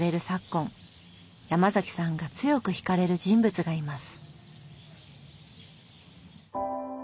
ヤマザキさんが強くひかれる人物がいます。